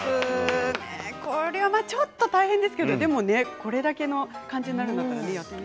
これはちょっと大変ですけれどでもこれだけの感じになるならやってみたい。